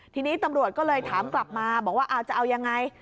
ทีนี้ตำรวจก็เลยถามกลับมาบอกว่าจะเอายังไง